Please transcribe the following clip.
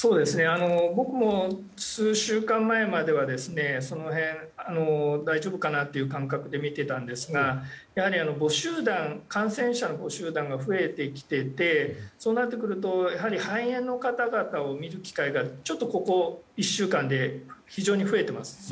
僕も数週間前まではその辺大丈夫かなという感覚で見ていたんですがやはり感染者の母集団が増えてきていてそうなってくると肺炎の方々を診る機会がここ１週間で非常に増えています。